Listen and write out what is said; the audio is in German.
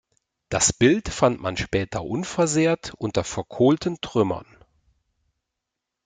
Das Bild fand man später unversehrt unter verkohlten Trümmern.